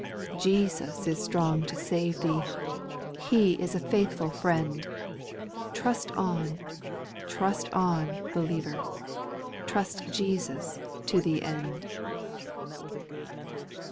4. Jesus is strong to save thee I He is a faithful friend, Trust on, trust on, believer ! Trust Jesus to the end.